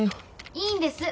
いいんです。